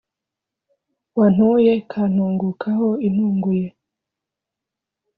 wantuye ikantungukaho intunguye